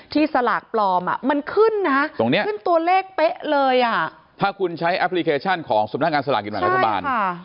สลากปลอมมันขึ้นนะตรงนี้ขึ้นตัวเลขเป๊ะเลยอ่ะถ้าคุณใช้แอปพลิเคชันของสำนักงานสลากกินแบ่งรัฐบาล